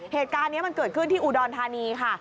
เหตุการณ์นี้มันเกิดขึ้นที่อุดรธานีค่ะ